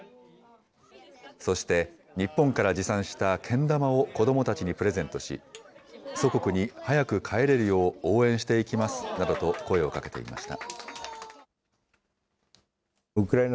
そして日本から持参したけん玉を子どもたちにプレゼントし、祖国に早く帰れるよう応援していきますなどと声をかけていました。